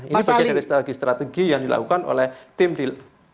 ini bagian dari strategi strategi yang dilakukan oleh tim di